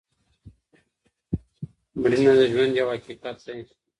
مړینه د ژوند یو حقیقت دی.